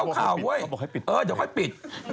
เว้ยจะเล่าข่าวว่ะเออเดี๋ยวเขาค่อยปิด